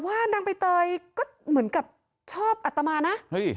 พระนางใบเตยก็เหมือนกับชอบอัตมานะ